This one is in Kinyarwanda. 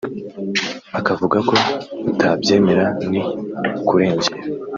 ukavuga ko utabyemera ni ukurengera